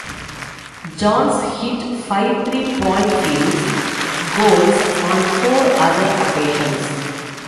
Jones hit five three-point field goals on four other occasions.